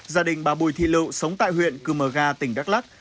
gia đình bà bùi thị lựu sống tại huyện cư mờ ga tỉnh đắk lắc